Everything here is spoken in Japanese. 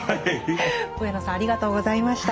上野さんありがとうございました。